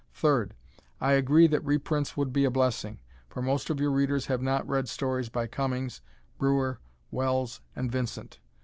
Third, I agree that reprints would be a blessing, for most of your readers have not read stories by Cummings, Breuer, Wells and Vincent.